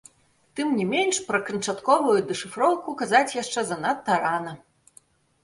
Тым не менш, пра канчатковую дэшыфроўку казаць яшчэ занадта рана.